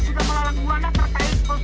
sudah melalui buang buang terkait